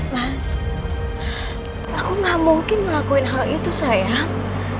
mas aku gak mungkin ngelakuin hal itu sayang